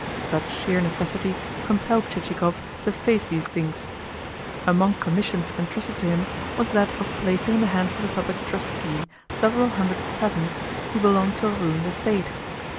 But sheer necessity compelled Chichikov to face these things. Among commissions entrusted to him was that of placing in the hands of the Public Trustee several hundred peasants who belonged to a ruined estate.